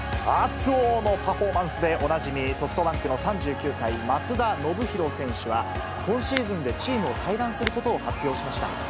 熱男！のパフォーマンスでおなじみ、ソフトバンクの３９歳、松田宣浩選手は、今シーズンでチームを退団することを発表しました。